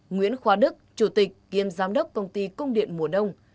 nguyễn khoa đức chủ tịch kiêm giám đốc công ty cung điện mùa đông